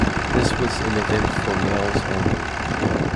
This was an event for males only.